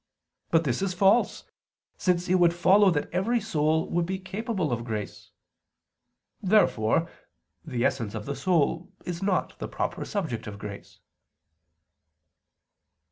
But this is false; since it would follow that every soul would be capable of grace. Therefore the essence of the soul is not the proper subject of grace.